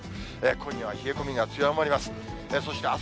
今夜は冷え込みが強まります。